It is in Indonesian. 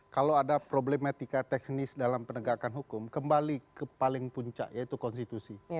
kalau ada problematika teknis dalam penegakan hukum kembali ke paling puncak yaitu konstitusi